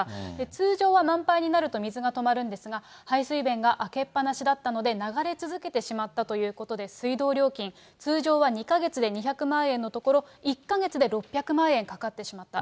通常は満杯になると水が止まるんですが、排水弁が開けっぱなしだったので、流れ続けてしまったということで、水道料金、通常２か月で２００万円のところ、１か月で６００万円かかってしまった。